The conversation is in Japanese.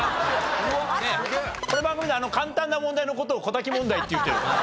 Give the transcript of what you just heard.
この番組では簡単な問題の事を小瀧問題って言ってるから。